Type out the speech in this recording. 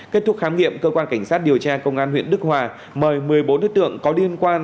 kết thúc khám nghiệm cơ quan cảnh sát điều tra công an huyện đức hòa mời một mươi bốn đối tượng có liên quan